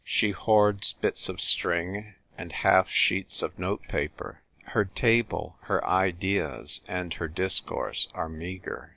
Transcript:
She hoards bits of string, and half sheets of note paper. Her table, her ideas, and her discourse are meagre.